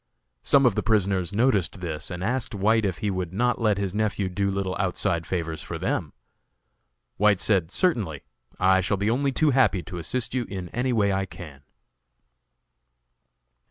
Some of the prisoners noticed this and asked White if he would not let his nephew do little outside favors for them. White said "Certainly, I shall be only too happy to assist you in any way I can."